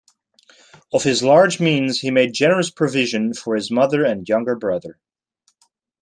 Of his large means he made generous provision for his mother and younger brother.